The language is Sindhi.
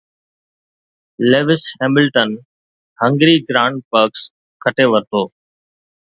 Lewis Hamilton Hungary grand prix کٽي ورتو